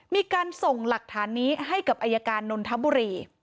มีการส่งหลักฐานนี้ให้กับอายการนนทบุรี